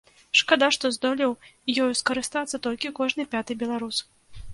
Шкада, што здолеў ёю скарыстацца толькі кожны пяты беларус.